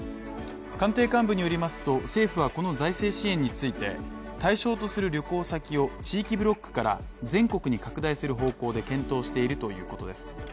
官邸幹部によりますと、政府はこの財政支援について、対象とする旅行先を地域ブロックから全国に拡大する方向で検討しているということです。